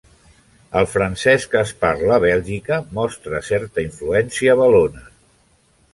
El francès que es parla a Bèlgica mostra certa influència valona.